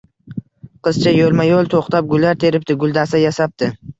Qizcha yoʻlma-yoʻl toʻxtab, gullar teribdi, guldasta yasabdi